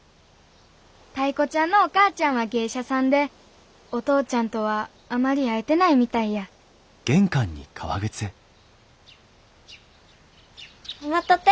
タイ子ちゃんのお母ちゃんは芸者さんでお父ちゃんとはあまり会えてないみたいや待っとって。